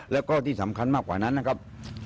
แล้วก็ที่สำคัญมากกว่านั้นนะครับ